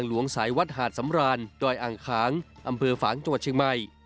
หลวงสายวัดหาดสำรานดอยอ่างขางอำเภอฝางจังหวัดเชียงใหม่